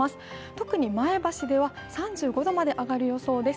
特に前橋では、３５度まで上がる予想です。